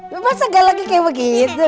masa galaki kayak begitu